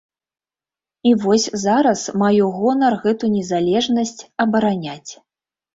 І вось зараз маю гонар гэту незалежнасць абараняць.